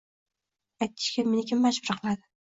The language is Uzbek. aytishga meni kim majbur qiladi?